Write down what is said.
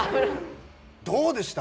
どうでした？